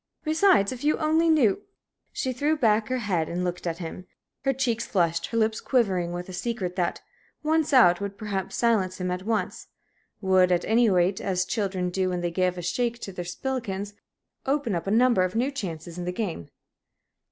Besides, if you only knew " She threw back her head and looked at him, her cheeks flushed, her lips quivering with a secret that, once out, would perhaps silence him at once would, at any rate, as children do when they give a shake to their spillikins, open up a number of new chances in the game.